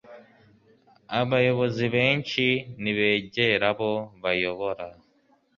abayobozi benshi ntibegera abo bayobora